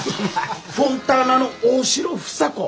フォンターナの大城房子